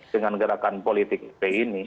dengan gerakan politik seperti ini